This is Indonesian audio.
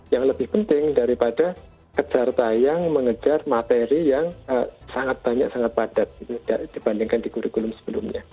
yang lebih penting daripada kejar tayang mengejar materi yang sangat banyak sangat padat dibandingkan di kurikulum sebelumnya